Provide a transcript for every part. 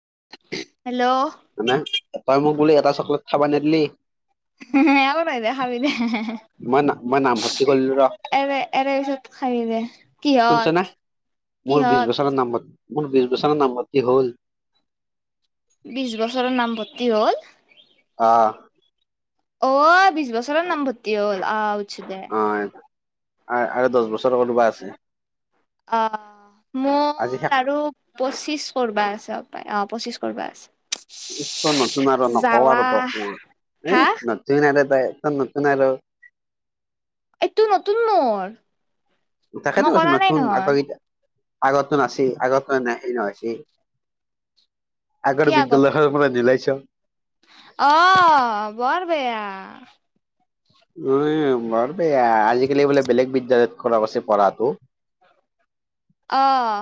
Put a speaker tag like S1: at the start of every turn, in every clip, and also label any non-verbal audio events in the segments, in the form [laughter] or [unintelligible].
S1: [unintelligible]
S2: মানে তই মোক বুলি এটা চকলেট খাব নেদিলি।
S1: হু হু একো নহয় দে খাবি দে।
S2: মই ন মই নামভৰ্তি কৰিলো ৰ।
S1: এৰে এৰে পিছত খাবি দে
S2: শুনছ না
S1: কিহত?
S2: মোৰ বিশ
S1: কিহত
S2: বছৰৰ মোৰ বিচ বছৰৰ নামভৰ্তি হ'ল।
S1: বিশ বছৰৰ নামভৰ্তি হ'ল।
S2: অ।
S1: অ বিশছ বছৰে নামভৰ্তি হ'ল আহ বোছো দে
S2: আহ আৰু দহ বছৰৰ কোৰবা আছে।
S1: অ
S2: আজি শেষ
S1: মোৰ আৰু পঁচিশ কৰবা আছোঁ। ই অ পঁচিশ কৰিবা আছে।
S2: নতুন আৰু নকওঁ
S1: জ্বালা
S2: আৰু তই কোৱা এ
S1: হা
S2: নতুন লগে তাইক। [unintelligible]
S1: এইটো নতুন মুৰ।
S2: তকেটো কৈছোঁ নচন আ ক [unintelligible] আগতটো নচিল আগত হেই নহয় সেই আগৰ
S1: কি আগত
S2: বিদ্যালয় খনৰ পৰা দিলাইছো।
S1: অ বৰ বেয়া।
S2: ঐ মন বেয়া আজিকালি বোলে বেলেগ বিদ্যালয়ত খৰব আছে পঢ়াটো
S1: অহ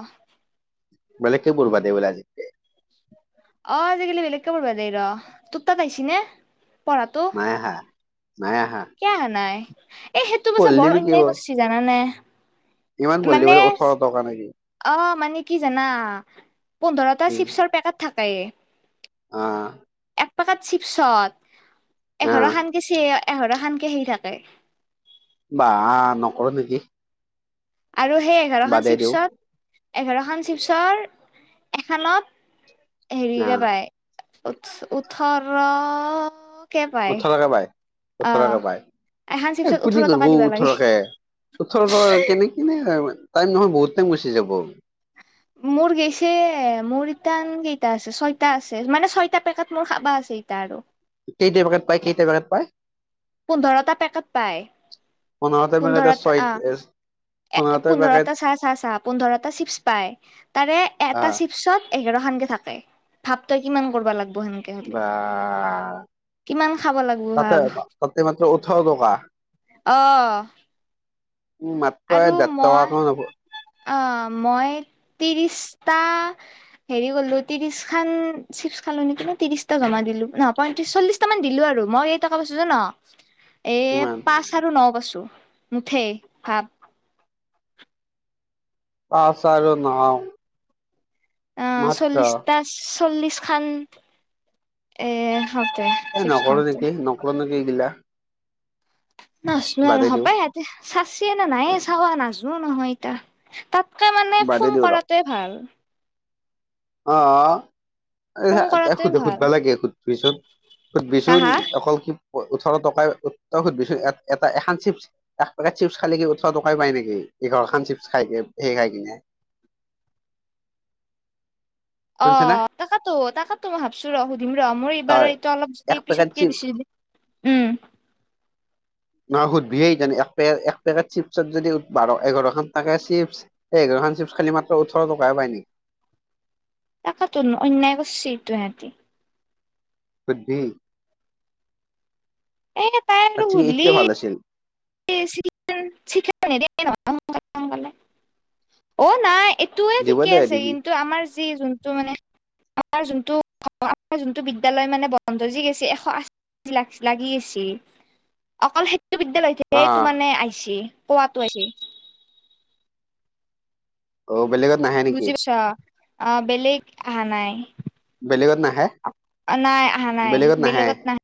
S2: বেলেগ কে বল বাদদে বোলে আজি
S1: অ আজিকালি বেলেগকে পঢ়বা যাই ৰ তোৰ তাত আহিছি নে পঢ়াটো
S2: নাই আহা
S1: কিয় আহা নাই এই সেইটো বাছা বৰ
S2: পঢ়লিনো কি হ'ব
S1: অন্যায় কৰিছে জানানে।
S2: ইমান পঢ়লি
S1: মানে
S2: বোলে ওঠৰ টকা না কি?
S1: অ মানে কি জানা পোন্ধৰটা চিপছৰ পেকেট থাকে
S2: অ।
S1: এক পাকাত চিপছত এঘাৰ
S2: আহ
S1: খানকে চ এঘাৰ খানকে সে থাকে
S2: বা নকৰো নেকি।
S1: আৰু সেই এঘাৰখন
S2: বাদে দিওঁ
S1: চিপছত এঘাৰখন চিপছৰ এখনত হেৰিকে
S2: আহ
S1: পাই উ উঠাৰ
S2: উঠৰ কে পায়। ওঠৰকে পায়
S1: এখন
S2: এই
S1: চিপছত ওঠৰ
S2: কনি
S1: টকা
S2: কৰিব
S1: দিবা লাগে
S2: ওঠৰকে ওঠৰ কেনে কেনে তিইম নহয় বহুত টাইম গুচি যাব।
S1: মোৰ গেইছে মোৰ ইটান কেইটা আছে ছয়টা আছে মানে ছয়টা পেকেত মোৰ খাবা আছে। সেইট আৰু
S2: কেইট বোগাত পায় কেইটা পেকেট পায়?
S1: পোন্ধৰটা পেকেট পায়।
S2: পন্ধটা মেগাতে ছয়।
S1: এ পোন্ধৰটা চাহ চাহ চাহ পোন্ধৰটা চিপছ পায় তাৰে এটা
S2: আহ
S1: চিপছত এঘাৰ খানকে থাকে ভাৱ তই কিমান কৰিব লাগ।
S2: বা
S1: কিমান খাব লাগব
S2: ততে
S1: ভাব
S2: এইমাত্ৰ উঠ দকা
S1: অ
S2: উম মাত্ৰ
S1: আৰু
S2: দছ
S1: মই
S2: টকা খন লব
S1: অ মই ত্ৰিশটা হেৰি গলো ত্ৰিশ খান চি কি ত্ৰিশটা জমা দিলো নহ পয়ত্ৰিশ চল্লিশটা মান দিলো আৰু মই কেটকা পাইছো যান এই
S2: ইমান
S1: পাঁচ আৰু ন পাছো মুঠেই ভাব
S2: পাচঁ আৰু ন
S1: অহ
S2: মাত্ৰ
S1: চল্লিশটা চল্লিশ খান এ হতে
S2: এ
S1: চিপছ
S2: নকৰো
S1: খওঁতে
S2: নেকি নকৰো নেকি এইগিলা
S1: নাজনো আৰু
S2: বাদে দিওঁ
S1: সপাই আৰু য়াতে চৰচি আৰ নাই চাৱা নাজনো নহয় ইতা তাত কে মানে
S2: বাদে
S1: ফোন কৰাটোৱে ভাল
S2: অহ অ এ
S1: ফোন
S2: হা
S1: কৰাটোৱে
S2: সোধ
S1: ভাল
S2: সুধবা লাগে সুধ-বিচোন
S1: হা
S2: সুধ-বিচোন
S1: হা
S2: অকল কি ওঠৰ টকাই তই সুধ-বিছোন এটা এখন চিপছ এক পেকেট চিপছ খালি কি ওঠৰ টকাই পায় নিকি এইঘৰ খান চিপ খাই সেই খাই কিনে
S1: [inaudible] অ
S2: শুনিছ না
S1: তাকাতো তাকেতো মই ভাবছো ৰ সুধিম ৰ মোৰ এইবাৰ
S2: তই
S1: এইটো অলপ যে
S2: এক পেকেট
S1: পিছতকে
S2: চিপ
S1: বেছি উম
S2: নহয় সুধবিহে জান এক পেকেট এচ পেকেট চিপছত যদি বাৰ এঘাৰখান থাকে চিপ এঘাৰ ধান চিপছ খালি মাত্ৰ ওঠৰ টকাহে পায় নি
S1: তাকেটোন অন্যায় কৰছি ইটো ইহেতি
S2: বুদ্ধি
S1: এ তাই আৰু
S2: তাতচেলি
S1: সুধলি
S2: এইটোৱে ভাল আছিল
S1: [unintelligible] অ নাই তোয়ে
S2: দিব
S1: ঠিকে
S2: দে
S1: আছে
S2: দিবি
S1: কিন্তু আমাৰ যি যোনটো মানে আমাৰ যোনটো আমাৰ যোনটো বিদ্যালয় মানে বন গজি গেছে এশ আশ লাগি আছে অকল হেতু বিদ্যালয়
S2: অ
S1: সেইটো মানে আইছি পোৱাতো আইছে।
S2: অ বেলেগত নাহে নিকি?
S1: বুজি পাইছা অ বেলেগ আহা নাই।
S2: বেলেগত নাহে
S1: নাই অহা নাই বেলেগত নাহ।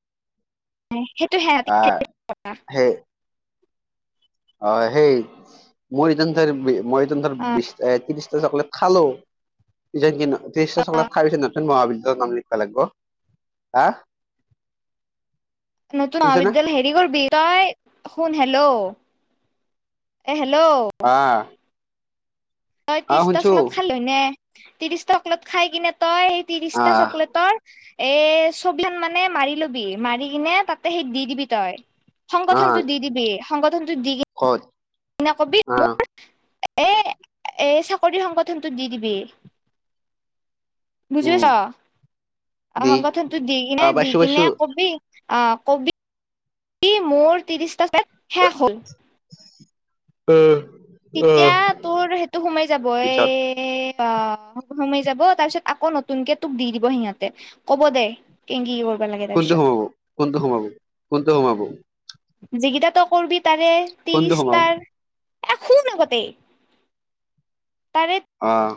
S1: সেইটো সে
S2: আহ সেই অ সেই মোৰ ইজন যে মই ইজন ধৰ
S1: অ
S2: বি ত্ৰিশ চকলেট খালো। যে কি না ত্ৰিছটা চকলেট খাইছে নতুন মহাবিদ্যা - নাম লিখবা লাগব হা।
S1: নতুন
S2: শুনছা না
S1: মহাবিদ্যালয় হেৰি কৰিব তই শুন হেল্ল', হেল্ল,
S2: আহ
S1: তই
S2: আহ
S1: ত্ৰিশটা
S2: শুনছো
S1: চকলেত খালো নে ত্ৰিশটা চকলেত খাই কিনে, তই এই ত্ৰিশটা
S2: আহ
S1: চকলেটৰ এ ছবিখন মানে মাৰি লবি, মাৰি কিনে তাতে সেই দি দিবি তই।
S2: আহ
S1: সংগঠনটো দি দিবি, সংগঠনটো দি কিন-
S2: ক'ত
S1: না কবি
S2: আহ
S1: মোৰ, এ এ চাকৰি সংগঠনটো দি দিবি। বুজি পাইছ,
S2: উম
S1: অ
S2: দি
S1: সংগঠন তো দি কিনা
S2: অ
S1: দি
S2: পাইছো
S1: কিনে
S2: পাইছো
S1: কবি। অ কবি মোৰ ত্ৰিছটা চ শেষ হ'ল।
S2: উম।
S1: তেতিয়া তোৰ সেইটো সোমাই যাব
S2: পিছত
S1: এ। অ সোমাই যাব, তাৰ পিছত আকৌ নতুনকে তোক দি দিব সিহঁতে ক'ব দে কেংগি -
S2: কোনটো সোমাব কোনটো সোমাব কোনটো সোমাব?
S1: যিকেইটাতো কৰবি তাৰে
S2: কোনটো
S1: ত্ৰিশ
S2: সোমাব
S1: তাৰ, এখ আগতে তাৰে
S2: অহ।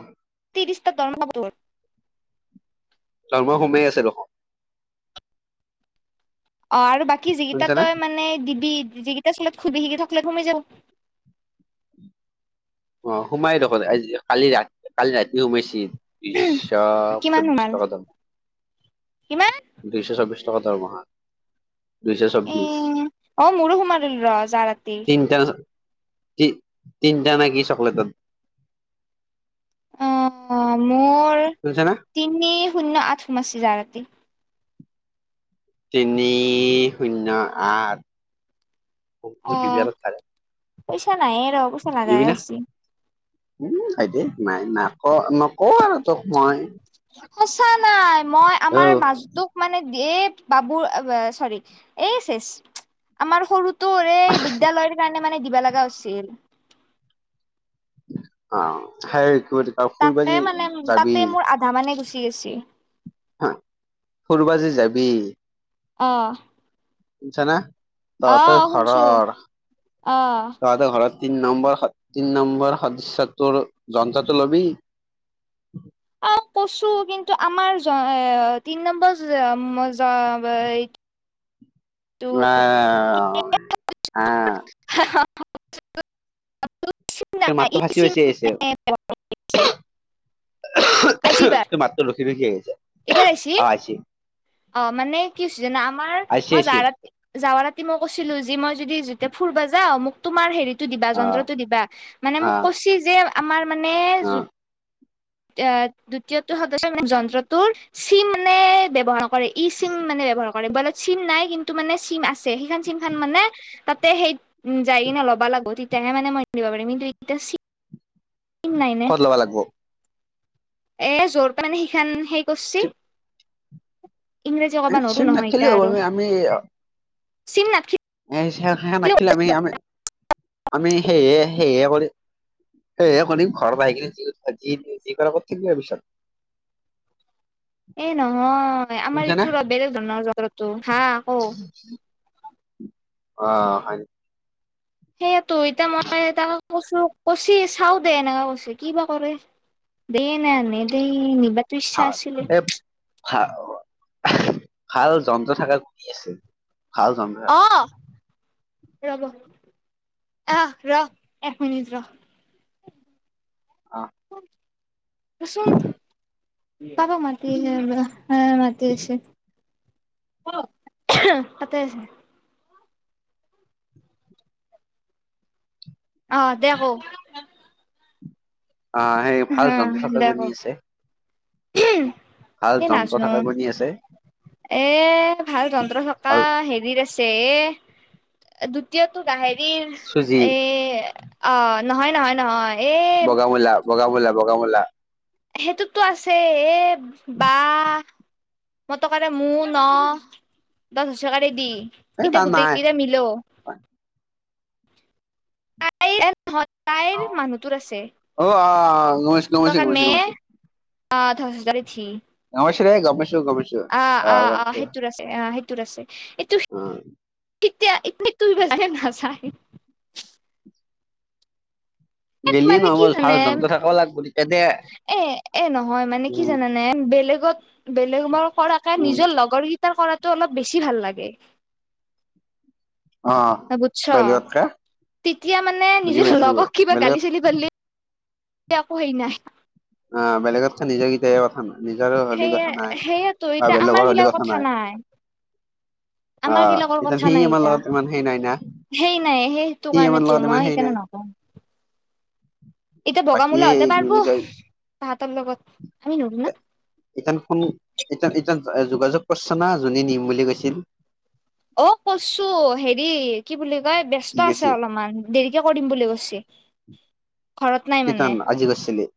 S1: [unintelligible]
S2: দৰমহা সোমাই আছে দেখোন
S1: অ আৰু বাকী যিকিটা
S2: শুনছানে
S1: তই মানে দিবি, যিকিটা আচলত খুবি শিকি থাকলেে ঘমি যাও,
S2: অ সোমাই দেখোন আ কালি ৰা কালি ৰাতি সোমাইছিল। বিশ শ
S1: কিমান
S2: চব্বিশ
S1: সোমাল
S2: টকা দাম
S1: কিমান
S2: দুশ চাব্বিশ, টকা দৰমহা। দুইশ
S1: এ
S2: চব্বিশ,
S1: অ মোৰো সোমাল ৰ যা ৰাতি
S2: তিনিটা তিনিটা নাকি চকলেটন,
S1: অ', মোৰ
S2: শুনিছা না
S1: তিনি শূন্য আঠ সোমাইছে জাৱা ৰাতি।
S2: তিনি শূন্য আঠ।
S1: অ',
S2: [unintelligible]
S1: পইচা নাই এ ৰ পইচা লাগাই
S2: দিবি না
S1: হৈছি।
S2: উম ভাইদ নাই নক নকওঁ আৰু তোক মই -
S1: সঁচা নাই, মই আমাৰ মাজতোক মানে দিয়ে বাবুল চৰি এই আমাৰ সৰু তোৰৰে বিদ্যালয়ৰ কাৰণে মানে দিব লগা হৈছিল।
S2: অ সেই, বুলি কয় ফুৰিব
S1: তাকে
S2: যে
S1: মানে
S2: যাবি
S1: তাকে মোৰ আধা মানে গুচি গৈছে।
S2: হা ফুৰবা যে যাবি,
S1: অ।
S2: শুনিছা না, তহঁতৰ
S1: অ', শুনছো
S2: ঘৰৰ
S1: অ'।
S2: তহঁতৰ ঘৰত তিন নম্বৰ তি নম্বৰ সদস্য তোৰ যন্ত্ৰটো লবি।
S1: অ কছো। কিন্তু আমাৰ তিনি নম্বৰ টো
S2: উ আহ।
S1: [unintelligible]
S2: ত
S1: নাই
S2: মাতটো
S1: ই
S2: ফাটি
S1: চিম
S2: ফাটি আহিছে
S1: আছে আজিবাৰ
S2: টোৰ মাত টো ৰখি ৰখী আহিছে
S1: এইবাৰ আহছি
S2: অ আইছি
S1: অ মানে কি হৈছে জানা আমাৰ
S2: আইছি
S1: মই
S2: আইছি
S1: জাৱ জাৱ মই কৈছিলো যে মই যদি যোয়া ফুুৰবা যা মোক তোমাৰ হেৰিত দিবা
S2: অ
S1: যন্ত্ৰটো দিবা মানে
S2: অ
S1: মোক কৈছ যে আমাৰ মানে
S2: অ
S1: এ দ্বিতীয়টো সদস্য মানে যন্ত্ৰটোৰ চি মানে ব্যৱহাৰ কৰে ই চিম মানে ব্যৱহাৰ কৰে মোবাইলত চিম নাই কিন্তু মানে চিম আছে সেইখন চিম খন মানে তাতে সেই যায় কিনে লব লগবো তেতিয়াহে মানে মই দিব পাৰিম কিন্তু এতিয়া নাই নে
S2: কত ল'বা লাগিব।
S1: এ যৰ পাৰ সিখান হেই কৰছে ইংৰাজী কব নৰো
S2: চিম
S1: নহয় এতয়া
S2: নাখিলেও হ'ব
S1: আৰু
S2: আমি আমি
S1: চিমনাথ
S2: এইে নাখিলো আমি আমি আমি সেয়ে সেয়ে কৰি সেইয়ে কৰিম ঘৰ পৰা আহি কিনে যি যি কৰা ক থাকিব তাৰপিচত
S1: এ নহয়। আমাৰ
S2: বুজিছানে
S1: ইটো বেলেগ ধৰণৰ জগা টো হা ক
S2: অ হয়।
S1: সেইয়ে তো এতিয়া মই তাক কৈছো কৈছে চাও দে এনেুৱা কছে কি বা কৰে দে না নেদেই নিবা বিশচ্ছা আছিলে
S2: ভ ভাল যন্ত্ৰ থাকা ঘূৰি আছে ভাল যন্ত্ৰ
S1: অ
S2: থকা
S1: ৰব আহ ৰ এক মিনিট ৰ
S2: অ
S1: চোন পাপা মতি আহ মাতি আছে আহ দেখ
S2: অ সেই ভাল যন্ত্ৰ চাপ্ৰ গনি আছে
S1: উম
S2: ভাল যন্ত্ৰ থকা ঘনি আছে
S1: এ ভাল যন্ত্ৰ থকা
S2: ভাল
S1: হেৰিত আছে এ দ্বিতীয়তটো গাহৰি
S2: চুজি
S1: এ অ নহয় নহয় নহয় এ
S2: বগামলা বগামলা বগামলা
S1: সেইটোতো আছে এ বা মই তকাৰে ম ন দহ হাজকাৰে দি
S2: এই
S1: এতিয়া
S2: তাৰ নাই
S1: গোটেইকেইটা মিল তাইহ তাইৰ মানুহটোৰ আছে
S2: গমাইছে গমাইছে গমাইছে গমাইছে
S1: অ তছ যডী থি
S2: গমছৰে গমিছো গমিছো অ
S1: আহ আহ
S2: গমছো
S1: সেইটোৰ আছে আহ
S2: উ
S1: কতিয়া ইতনে তুমি বজ ন চায় এ
S2: গেলি
S1: মানে
S2: নহব
S1: কি জানে
S2: ভাল জন্তু থাকিব লাগিব তেতিয়া দে
S1: এ এ নহয় মানে কি
S2: উম
S1: জানোনে বেলেগত বেলেগ মই কৰাকে
S2: উম
S1: নিজৰ লগৰকেইটাৰ কৰা তটো অলপ বেছি ভাল লাগে
S2: অ
S1: বুজছ
S2: বেলেগত কা
S1: তেতিয়া মানে
S2: বুজি
S1: নিজৰ
S2: পাইছো বেলেগত
S1: যা সেই নাই
S2: অ বেলেগত খ নিজেকতা কথা নাই নিজৰো
S1: সে
S2: হলি কথা নাই
S1: সেইয়টো
S2: বা
S1: এতিয়া আমাৰ
S2: বেলেগৰ হলি
S1: জিলাৰ কথা নাই
S2: অ
S1: আমাৰ গিলাকৰ
S2: এতিয়া
S1: কথা
S2: সেই
S1: নাই
S2: ইমাৰ
S1: এতিয়া
S2: লগত ইমান সেই নাই না
S1: সেই নাই সেইটো
S2: সি আমাৰ
S1: কাৰণেতো
S2: লগত ইমান
S1: মই
S2: সেই নাই
S1: সেইকাৰণে নকওঁ। এতিয়া
S2: বাকী
S1: বগামলা হতে
S2: এই কি
S1: পাৰব
S2: বুলি কয়
S1: ভাহতৰ লগত আমি নৰো ন।
S2: ইতানু ফোন এতিয়া এতিয়া ই যোগাযোগ কৰচচনা যোনে নিম বুলি কৈছিল।
S1: অ কইছো হেৰি কি বুলি। তাই
S2: কি
S1: ব্যস্ত আছে
S2: কৈছিল
S1: অলপমান দেৰিকে কৰিম বুলি কৈছি।
S2: কি কাৰণত আজি গৈছিলি।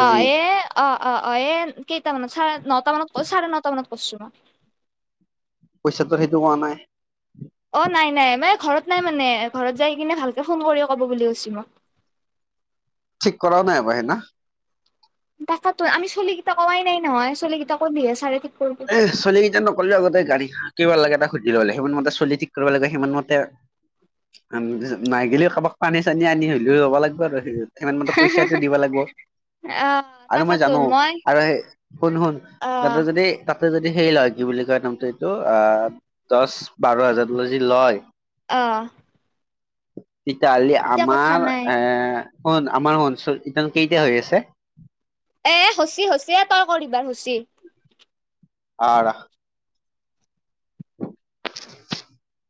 S1: অ এ অ অ অ এ কেইটা মানত চাৰে নটা মানত কৈছা, চাৰে নটা মানত কৰছো।
S2: পইচাটো সেইটো হোৱা নাই।
S1: অ নাই নাই মানে হৈছে ঘৰত নাই মানে ঘৰত যাই কিনে ভালকে ফোন কৰি ক'ব বুলি কৈছো মই। [unintelligible]
S2: ঠিক কৰা নাই বাই ন
S1: তাতো আমি ছোৱালীলি কেইটা কোৱাই নাই নহয় ছোৱালীলি কেইটা কন্ধহে চাৰে কৰব
S2: এ নগলি ন কললে আগতে গাড়ী কিবা লাগে এটা সুধি লাগে সিমান মতে চলি ঠিক কৰিব লাগে সিমান মতে। ম নাই গেলি কাৰোবাক পানী চানী আনি হলেও হ'ব লাগিব আৰু সেই সিমান মতে পইচাটো দিব লাগিব।
S1: আহ
S2: আৰু মই জানো
S1: তাকাতোন মই
S2: আৰু স শুন শুন তাহত
S1: আহ
S2: যদি তাতে যদি সেই লয় কি বুলি কয় নামটো এইটো অ দহ বাৰ হাজাৰ যদি লয়।
S1: আহ
S2: তেতিয়াহলে
S1: তেতিয়া কথা
S2: আমাৰ
S1: নাই
S2: এ আমাৰ অঞ্চল ই কেইটা হৈ আছে।
S1: এ হৈচি হৈচিয়ে তই কৰিবাৰ হৈচি।
S2: আৰা [inaudible]